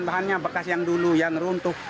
bahannya bekas yang dulu yang runtuh